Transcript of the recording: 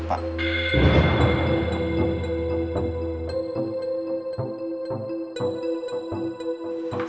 jam tangan lupa